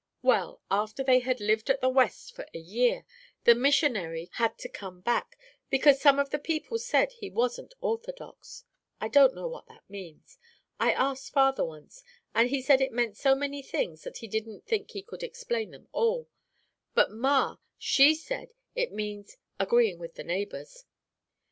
"Well, after they had lived at the West for a year, the missionary had to come back, because some of the people said he wasn't orthodox. I don't know what that means. I asked father once, and he said it meant so many things that he didn't think he could explain them all; but ma, she said, it means 'agreeing with the neighbors.'